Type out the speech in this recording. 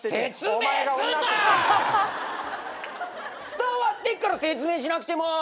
伝わってっから説明しなくても！